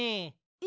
え？